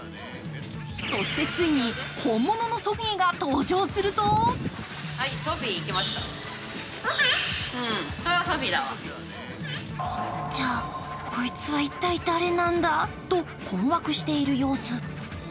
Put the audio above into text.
そしてついに、本物のソフィーが登場するとじゃあ、こいつは一体誰なんだ？と困惑している様子。